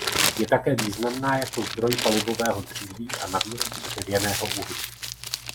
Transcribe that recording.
Je také významná jako zdroj palivového dříví a na výrobu dřevěného uhlí.